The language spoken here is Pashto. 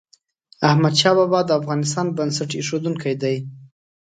احمد شاه بابا د افغانستان بنسټ ایښودونکی ده.